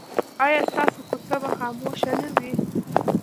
ایا ستاسو کوڅه به خاموشه نه وي؟